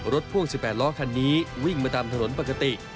พ่วง๑๘ล้อคันนี้วิ่งมาตามถนนปกติ